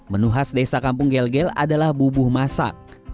menu khas desa kampung gelgel adalah bubuh masak